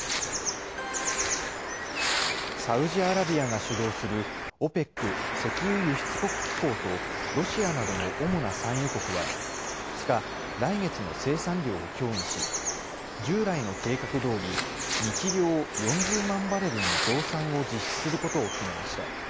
サウジアラビアが主導するＯＰＥＣ・石油輸出国機構とロシアなどの主な産油国は、２日、来月の生産量を協議し、従来の計画どおり、日量４０万バレルの増産を実施することを決めました。